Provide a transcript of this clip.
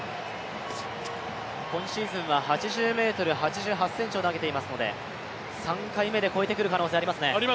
今シーズンは８０ｍ８８ｃｍを投げていますので３回目で超えてくる可能性ありますね。